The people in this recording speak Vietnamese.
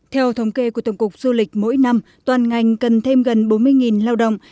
theo thống kê của tổng cục du lịch mỗi năm toàn ngành cần thêm gần bốn mươi lao động